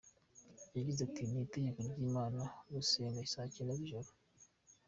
Yagize ati “Ni itegeko ry’Imana gusenga saa cyenda z’ijoro.